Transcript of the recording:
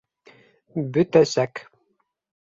Бөтәсәк!